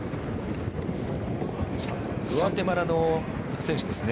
グアテマラの選手ですね。